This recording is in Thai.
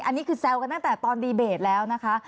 อันนี้คือแซวกันตั้งแต่ตอนดีเบตแล้วนะคะ